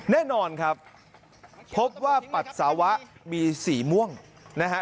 แน่นอนครับพบว่าปัสสาวะมีสีม่วงนะฮะ